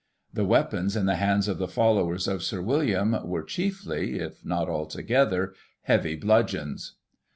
The weapons in the hands of the followers of Sir William, were chiefly, if not altogether, heavy bludgeons."